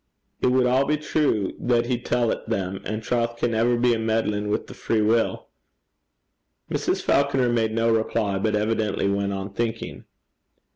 It wad a' be true that he tellt them, and the trowth can never be a meddlin' wi' the free wull.' Mrs. Falconer made no reply, but evidently went on thinking.